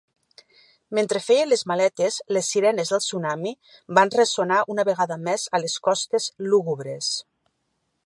Mentre feien les maletes, les sirenes del tsunami van ressonar una vegada més a les costes lúgubres.